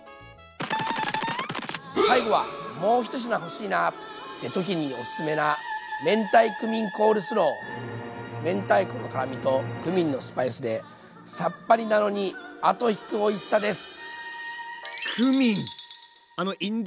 最後はもう１品欲しいなって時におすすめな明太子の辛みとクミンのスパイスでさっぱりなのに後引くおいしさです。